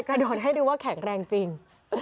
กระโดดให้ดูว่าแข็งแรงจริง